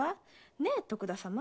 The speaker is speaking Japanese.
ねえ徳田様。